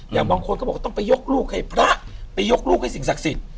บางคนก็บอกว่าต้องไปยกลูกให้พระไปยกลูกให้สิ่งศักดิ์สิทธิ์